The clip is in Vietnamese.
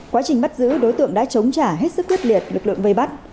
quá trình bắt giữ đối tượng đã chống trả hết sức quyết liệt lực lượng vây bắt